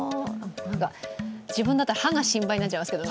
自分だと、歯が心配になっちゃいますけどね。